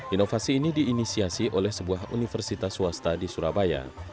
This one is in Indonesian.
inovasi ini diinisiasi oleh sebuah universitas swasta di surabaya